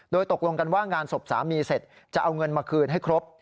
โดยตกลงกันว่างานศพสามีเสร็จจะเอาเงินมาคืนให้ครบ